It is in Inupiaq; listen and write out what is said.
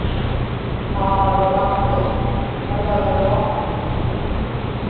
aaġluġaqtuq nalagaluaqami